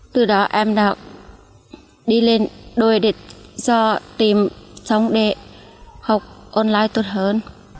từ đó em đã đi lên đồi để tìm sóng để học online tốt hơn